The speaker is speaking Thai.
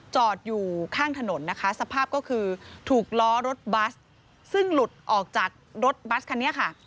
จอดอยู่ข้างถนนนะคะสภาพก็คือถูกล้อรถบัสซึ่งหลุดออกจากรถบัสคันนี้ค่ะ